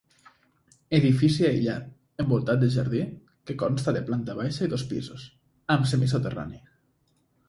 Edifici aïllat, envoltat de jardí, que consta de planta baixa i dos pisos, amb semisoterrani.